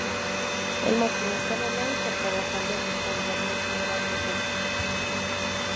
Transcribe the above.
El maquinista no lo hizo, provocando el descarrilamiento de la composición.